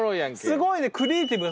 すごいな！